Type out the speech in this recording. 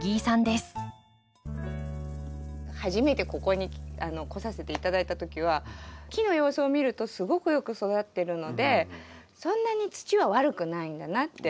初めてここに来させていただいたときは木の様子を見るとすごくよく育ってるのでそんなに土は悪くないんだなって。